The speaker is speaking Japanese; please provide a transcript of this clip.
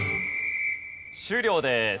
終了です。